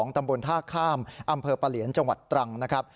ตำบลท่าข้ามอำเภอปะเหลียนจังหวัดตรังนะครับ